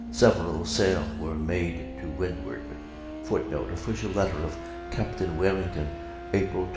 several sail were made to windward. [Footnote: Official letter of Capt. Warrington, April 29.